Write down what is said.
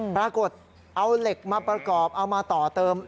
ปรากฏเอาเหล็กมาประกอบเอามาต่อเติม